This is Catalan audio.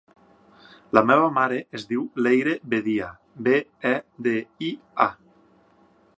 La meva mare es diu Leyre Bedia: be, e, de, i, a.